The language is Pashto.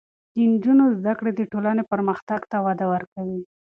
د نجونو زده کړې د ټولنې پرمختګ ته وده ورکوي.